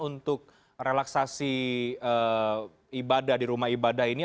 untuk relaksasi ibadah di rumah ibadah ini